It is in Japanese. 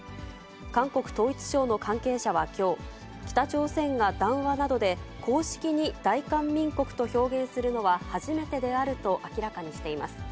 韓国統一省の関係者はきょう、北朝鮮が談話などで公式に大韓民国と表現するのは初めてであると明らかにしています。